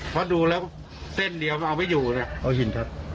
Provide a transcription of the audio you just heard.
เพราะดูแล้วเส้นเดียวเอาไว้อยู่เนี่ย